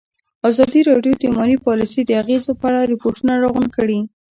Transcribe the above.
ازادي راډیو د مالي پالیسي د اغېزو په اړه ریپوټونه راغونډ کړي.